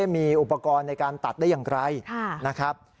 มีอุปกรณ์ในการตัดได้อย่างไรนะครับ